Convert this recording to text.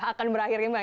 akan berakhir imbang